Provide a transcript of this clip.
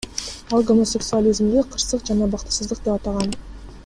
Ал гомосексуализмди кырсык жана бактысыздык деп атаган.